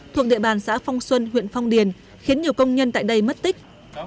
thuộc địa bàn xã phong xuân huyện phong điền khiến nhiều công nhân tại đây mất tích